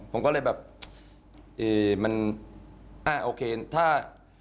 ผมก็เลยแบบมันอ่าโอเคถ้า